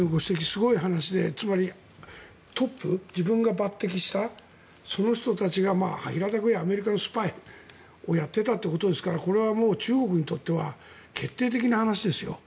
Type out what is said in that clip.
すごい話でつまりトップ自分が抜てきしたその人たちが平たく言えばアメリカのスパイをやっていたということですからこれはもう中国にとっては決定的な話ですよ。